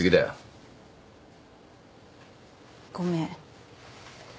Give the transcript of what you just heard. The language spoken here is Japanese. ごめん。